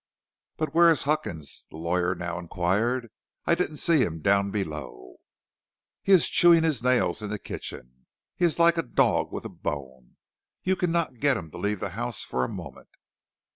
"But where is Huckins?" the lawyer now inquired. "I didn't see him down below." "He is chewing his nails in the kitchen. He is like a dog with a bone; you cannot get him to leave the house for a moment."